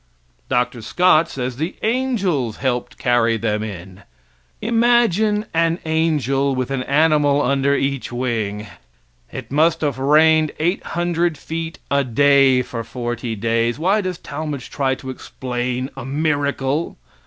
Dr. Scott says the angels helped carry them in. Imagine an angel with an animal under each wing. It must have rained 800 feet a day for forty days. Why does Talmage try to explain a miracle?